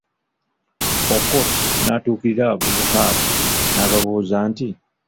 Okot natuukirira abavubuka abo nababuuza nti